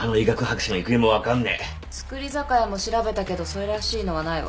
造り酒屋も調べたけどそれらしいのはないわ。